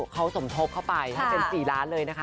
เขาสมทบเข้าไปจะเป็น๔ล้าน